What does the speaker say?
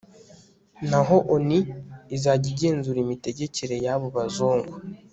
naho onu izajya igenzura imitegekere y'abo bazungu